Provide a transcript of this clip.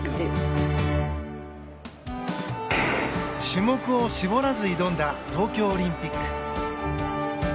種目を絞らず挑んだ東京オリンピック。